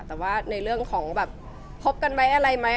แต่ว่าในเรื่องของแบบพบกันไหมอะไรไหม